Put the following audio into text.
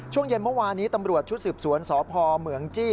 ช่วงเย็นเมื่อวานนี้ตำรวจชุดสืบสวนสพเหมืองจี้